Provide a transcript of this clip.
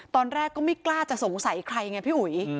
ตอนแรกก็ไม่กล้าจะสงสัยใครไงพี่อุ๋ย